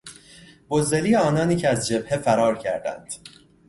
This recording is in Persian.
بزدلی آنانی که از جبهه فرار کردند